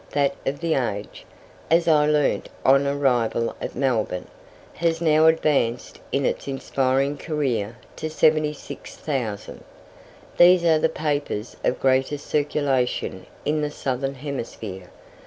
That of "The Age", as I learnt on arrival at Melbourne, has now advanced in its inspiring career to 76,000. These are the papers of greatest circulation in the Southern Hemisphere.